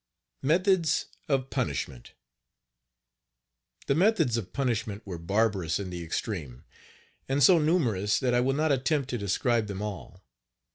METHODS OF PUNISHMENT. The methods of punishment were barbarous in the extreme, and so numerous that I will not attempt to describe them all.